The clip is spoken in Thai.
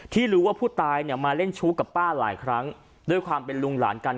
ที่รู้ว่าผู้ตายเนี่ยมาเล่นชู้กับป้าหลายครั้งด้วยความเป็นลุงหลานกัน